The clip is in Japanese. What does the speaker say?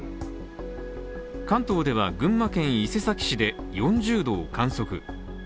関東では、群馬県伊勢崎市で４０度を観測。